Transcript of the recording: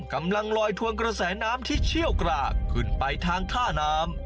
กำลังลอยทวงกระแสน้ำที่เชี่ยวกรากขึ้นไปทางท่าน้ำ